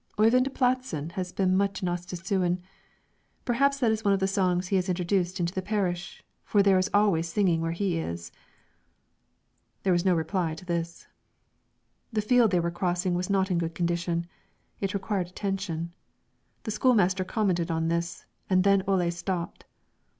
"Oyvind Pladsen has been much in Ostistuen; perhaps that is one of the songs he has introduced into the parish, for there is always singing where he is." There was no reply to this. The field they were crossing was not in good condition; it required attention. The school master commented on this, and then Ole stopped.